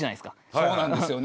そうなんですよね！